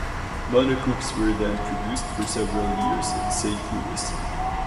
Monocoupes were then produced for several years in Saint Louis.